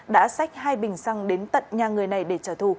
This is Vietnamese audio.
đã xách hai bình xăng đến tận nhà người này để trả thù